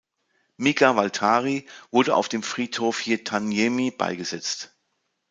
Mika Waltari wurde auf dem Friedhof Hietaniemi beigesetzt.